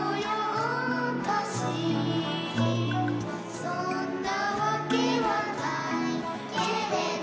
「そんなわけはないけれど」